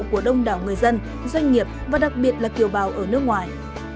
của đông đảo người dân doanh nghiệp và đặc biệt là kiều bào ở nước ngoài